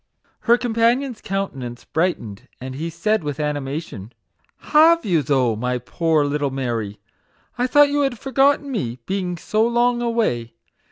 Her companion's countenance brightened, and he said with animation " Have you, though, my poor little Mary ? I thought you 12 MAGIC WORDS. had forgotten me, being so long away."